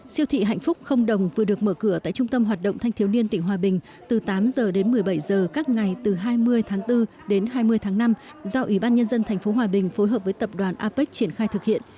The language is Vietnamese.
siêu thị hạnh phúc không đồng vừa được mở cửa tại trung tâm hoạt động thanh thiếu niên tỉnh hòa bình từ tám h đến một mươi bảy h các ngày từ hai mươi tháng bốn đến hai mươi tháng năm do ủy ban nhân dân tp hòa bình phối hợp với tập đoàn apec triển khai thực hiện